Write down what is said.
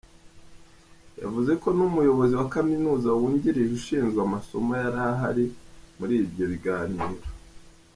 Yavuze ko n’Umuyobozi wa Kaminuza wungirije ushinzwe amasomo yari ahari muri ibyo biganiro.